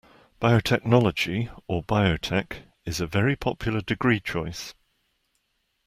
Biotechnology, or Biotech, is a very popular degree choice